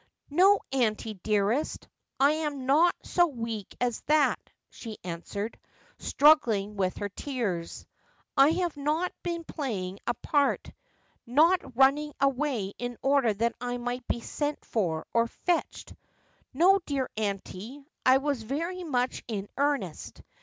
' No, auntie dearest, I am not so weak as that,' she answered; struggling with her tears. 'I have not been playing a part; not running away in order that I might be sent for or fetched. No, dear auntie, I was very much in earnest.